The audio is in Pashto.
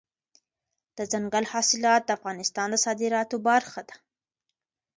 دځنګل حاصلات د افغانستان د صادراتو برخه ده.